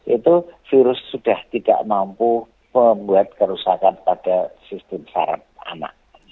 itu virus sudah tidak mampu membuat kerusakan pada sistem sarap anak